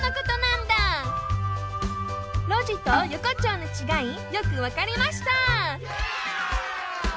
「路地」と「横丁」のちがいよくわかりました！